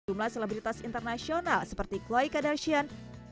jumlah selebritas internasional seperti chloe kardashian